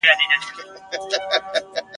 چي په شپه د پسرلي کي به باران وي ..